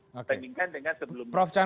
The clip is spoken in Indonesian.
saya inginkan dengan sebelumnya